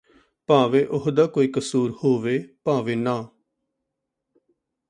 ਭਾਵੇਂ ਉਹਦਾ ਕੋਈ ਕਸੂਰ ਹੋਵੇ ਭਾਵੇਂ ਨਾ